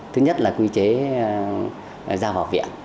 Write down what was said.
thứ nhất là quy chế giao vào viện